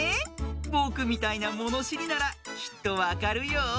ぼくみたいなものしりならきっとわかるよ。